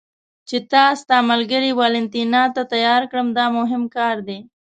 چې تا ستا ملګري والنتیني ته تیار کړم، دا مهم کار دی.